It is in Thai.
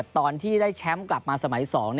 ตอนที่ได้แชมป์กลับมาสมัย๒